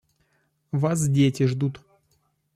Вас дети ждут.